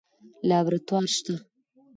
لابراتوار شته؟